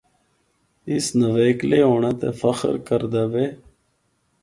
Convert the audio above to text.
اس نویکلے ہونڑے تے فخر کردا وے۔